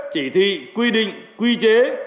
chỉ thị quy định quy chế